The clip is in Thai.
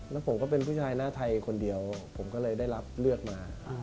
แล้วผมก็เป็นผู้ชายหน้าไทยคนเดียวผมก็เลยได้รับเลือกมา